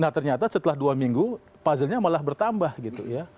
nah ternyata setelah dua minggu puzzle nya malah bertambah gitu ya